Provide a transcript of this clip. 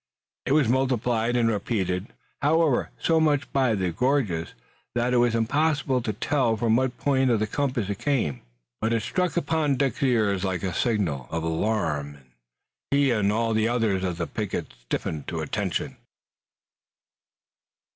It was multiplied and repeated, however, so much by the gorges that it was impossible to tell from what point of the compass it came. But it struck upon Dick's ears like a signal of alarm, and he and all the others of the picket stiffened to attention.